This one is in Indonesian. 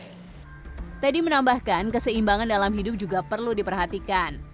teddy menambahkan keseimbangan dalam hidup juga perlu diperhatikan